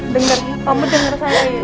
dengar ya kamu denger saya ya